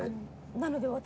なので私。